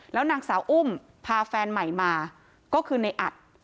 แล้วนางสาวอุ้มพาแฟนใหม่มาก็คือในอัด